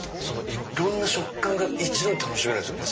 いろんな食感が一度に楽しめるんですよね。